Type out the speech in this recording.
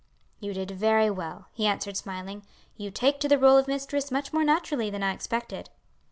"You did very well," he answered, smiling. "You take to the role of mistress much more naturally than I expected."